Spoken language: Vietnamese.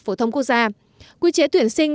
phổ thông quốc gia quy chế tuyển sinh